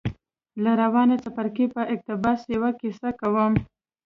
له روان څپرکي په اقتباس يوه کيسه کوم.